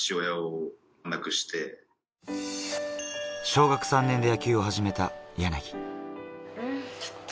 小学３年で野球を始めた柳。